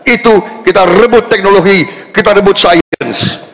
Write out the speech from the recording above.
itu kita rebut teknologi kita rebut sains